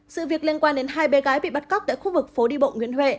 sự việc liên quan đến hai bé gái bị bắt cóc tại khu vực phố đi bộ nguyễn huệ